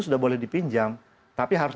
sudah boleh dipinjam tapi harus